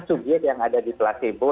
subyek yang ada di placebo